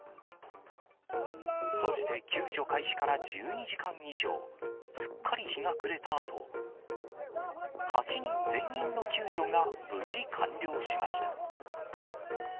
そして救助開始から１２時間以上、すっかり日が暮れたあと、８人全員の救助が無事完了しました。